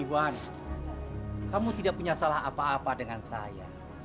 iwan kamu tidak punya salah apa apa dengan saya